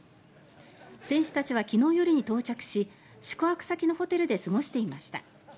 選手たちは昨日夜に到着し宿泊先のホテルで過ごしていました。